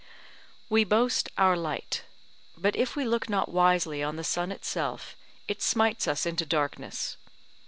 We boast our light; but if we look not wisely on the sun itself, it smites us into darkness.